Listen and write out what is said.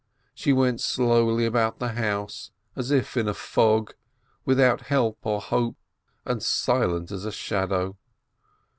She went slowly about the house, as in a fog, without help or hope, and silent as a shadow.